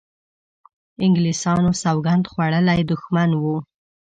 انګلیسیانو سوګند خوړولی دښمن وو.